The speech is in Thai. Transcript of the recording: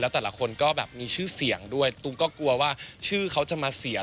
แต่ละคนก็แบบมีชื่อเสียงด้วยตูมก็กลัวว่าชื่อเขาจะมาเสีย